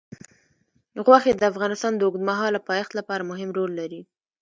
غوښې د افغانستان د اوږدمهاله پایښت لپاره مهم رول لري.